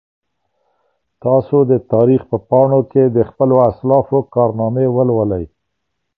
تاسو د تاریخ په پاڼو کې د خپلو اسلافو کارنامې ولولئ.